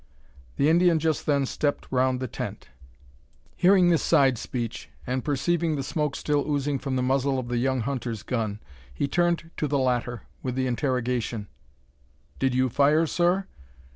The Indian just then stepped round the tent. Hearing this side speech, and perceiving the smoke still oozing from the muzzle of the young hunter's gun, he turned to the latter with the interrogation "Did you fire, sir?"